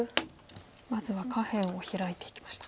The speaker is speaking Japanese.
まずは下辺をヒラいていきました。